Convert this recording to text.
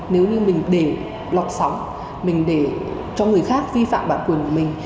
nếu như mình để lọt sóng mình để cho người khác vi phạm bản quyền của mình